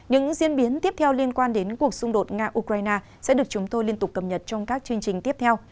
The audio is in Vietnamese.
những diễn biến tiếp theo liên quan đến cuộc xung đột nga ukraine sẽ được chúng tôi liên tục cập nhật trong các chương trình tiếp theo